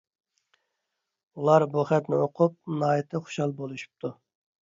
ئۇلار بۇ خەتنى ئوقۇپ ناھايىتى خۇشال بولۇشۇپتۇ.